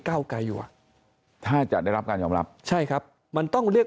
เก้าไกลอยู่อ่ะถ้าจะได้รับการยอมรับใช่ครับมันต้องเรียก